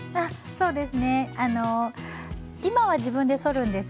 そうです。